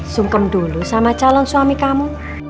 sungkem dulu sama calon suami kamu